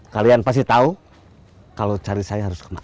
kalian pasti tahu kalau cari saya harus kemana